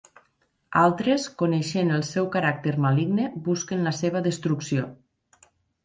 Altres, coneixent el seu caràcter maligne, busquen la seva destrucció.